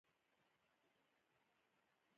که د خپلو خوبونو لپاره وجنګېدئ.